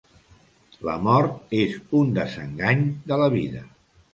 La mort és un desengany de la vida.